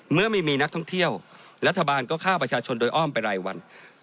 เมื่อไม่มีนักท่องเที่ยวรัฐบาลก็ฆ่าประชาชนโดยอ้อมไปรายวัน